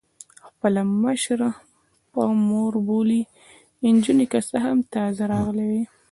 خپله مشره په مور بولي، نجونې که څه هم تازه راغلي وې.